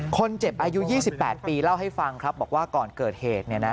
อายุ๒๘ปีเล่าให้ฟังครับบอกว่าก่อนเกิดเหตุ